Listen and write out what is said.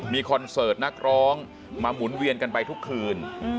มีคอนเสิร์ตนักร้องมาหมุนเวียนกันไปทุกคืน